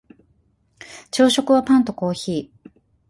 朝食はパンとコーヒー